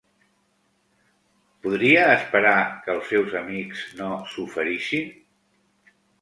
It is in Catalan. Podria esperar que els seus amics no s'oferissin?